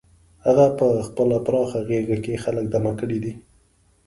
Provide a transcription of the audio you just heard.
هغه په خپله پراخه غېږه کې خلک دمه کړي دي.